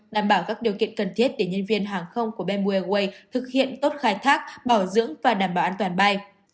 đảm bảo các điều kiện cần thiết để nhân viên hàng không của bamboo airways thực hiện tốt khai thác bảo dưỡng và đảm bảo an toàn bay